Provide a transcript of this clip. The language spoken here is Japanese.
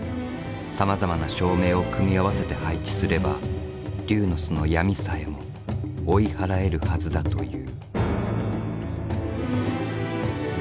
さまざまな照明を組み合わせて配置すれば龍の巣の闇さえも追い払えるはずだという。